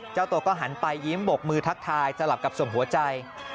เจ้าตัวก็หันไปยิ้มบกมือทักทายสลับกับส่งหัวใจ